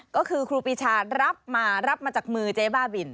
ก็คือครูปีชารับมารับมาจากมือเจ๊บ้าบิน